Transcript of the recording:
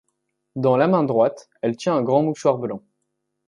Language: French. Dans la main droite, elle tient un grand mouchoir blanc.